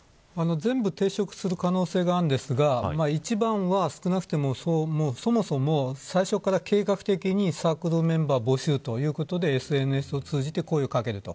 全部抵触する可能性があるんですが１番は少なくともそもそも最初から計画的にサークルメンバー募集ということでＳＮＳを通じて声を掛けると。